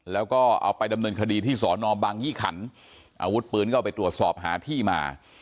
แล้วก็เอาไปดำเนินคดีที่สอนอบังยี่ขันอาวุธปืนก็เอาไปตรวจสอบหาที่มา